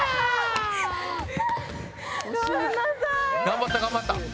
頑張った頑張った。